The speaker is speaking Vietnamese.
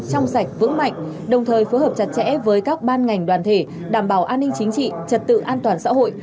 trong sạch vững mạnh đồng thời phối hợp chặt chẽ với các ban ngành đoàn thể đảm bảo an ninh chính trị trật tự an toàn xã hội